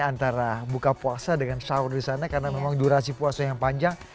antara buka puasa dengan sahur di sana karena memang durasi puasa yang panjang